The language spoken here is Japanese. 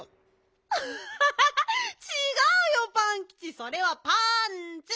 アハハちがうよパンキチそれはパンツ。